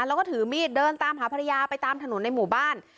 แล้วก็ถือมีดเดินตามหาภรรยาไปตามถนนในหมู่บ้าน